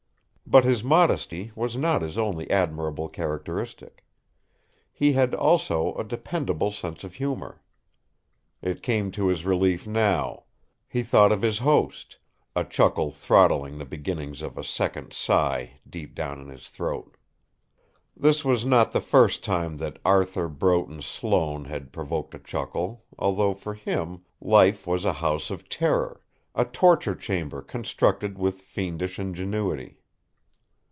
But his modesty was not his only admirable characteristic. He had, also, a dependable sense of humour. It came to his relief now he thought of his host, a chuckle throttling the beginnings of a second sigh deep down in his throat. This was not the first time that Arthur Broughton Sloane had provoked a chuckle, although, for him, life was a house of terror, a torture chamber constructed with fiendish ingenuity.